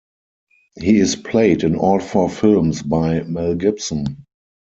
He is played in all four films by Mel Gibson.